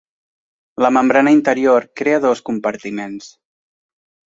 La membrana interior crea dos compartiments.